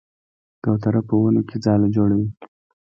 کوتره په ونو کې ځاله جوړوي.